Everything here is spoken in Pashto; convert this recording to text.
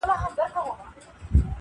چي له تقریباً نیمي پېړۍ راهیسي -